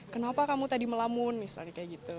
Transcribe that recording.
kenapa kamu tadi melamun misalnya kayak gitu